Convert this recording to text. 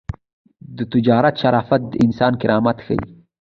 د تجارت شرافت د انسان کرامت ښيي.